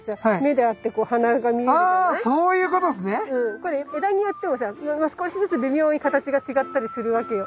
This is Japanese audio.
これ枝によってもさ少しずつ微妙に形が違ったりするわけよ。